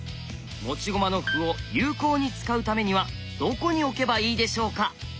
持ち駒の歩を有効に使うためにはどこに置けばいいでしょうか？